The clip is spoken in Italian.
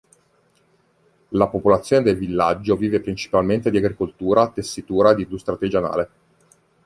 La popolazione del villaggio vive principalmente di agricoltura, tessitura ed industria artigianale.